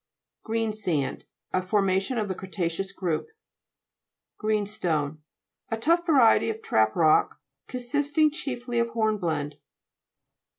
GREENSAND A formation of the cre ta'ceous group (p. 70). GREENSTONE A tough variety of trap rock, consisting chiefly of horn blende.